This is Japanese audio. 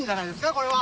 これは。